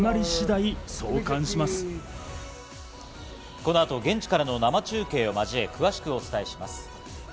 この後、現地からの生中継を交え、詳しくお伝えします。